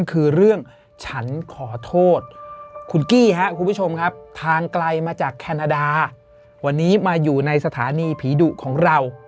คุณผู้ชมครับทางไกลมาจากแคนาดาวันนี้มาอยู่ในสถานีผีดุของเรา